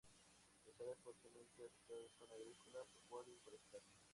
Las áreas fuertemente afectadas son: agrícola, pecuario y forestal.